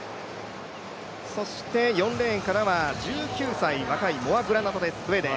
そして４レーンからは１９歳、若いモア・グラナトです、スウェーデン。